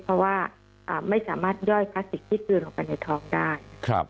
เพราะว่าไม่สามารถย่อยพลาสติกที่กลืนลงไปในท้องได้